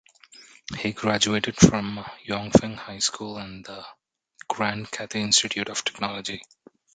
He graduated from Yongfeng High School and the Grand Cathay Institute of Technology.